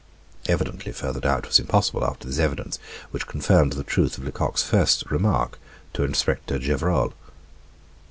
Evidently further doubt was impossible after this evidence, which confirmed the truth of Lecoq's first remark to Inspector Gevrol.